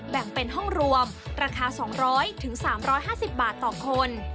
แบ่งเป็นห้องรวมราคา๒๐๐๓๕๐บาทต่อคน